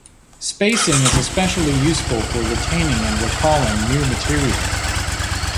Spacing is especially useful for retaining and recalling new material.